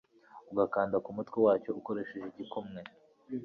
ugakanda ku mutwe wacyo ukoresheje igikumwe